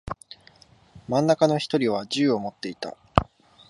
真ん中の一人は銃を持っていた。